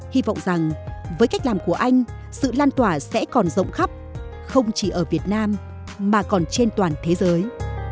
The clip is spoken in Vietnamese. hy vọng rằng với cách làm của anh sự lan tỏa sẽ còn rộng khắp không chỉ ở việt nam mà còn trên toàn thế giới